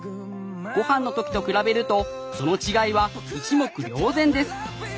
ごはんの時と比べるとその違いは一目瞭然です。